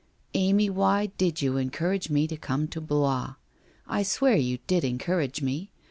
Amy, why did you encourage me to come to Blois? I swear you did encourage me.